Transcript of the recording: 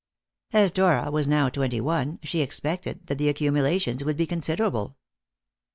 As Dora was now twenty one, she expected that the accumulations would be considerable.